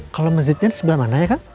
kalau masjidnya di sebelah mananya kang